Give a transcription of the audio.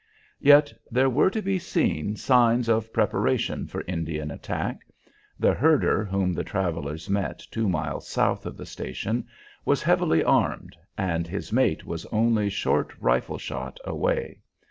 Yet there were to be seen signs of preparation for Indian attack. The herder whom the travellers met two miles south of the station was heavily armed and his mate was only short rifle shot away.